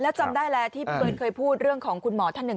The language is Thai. แล้วจำได้แล้วที่พี่เบิร์นเคยพูดเรื่องของคุณหมอท่านหนึ่ง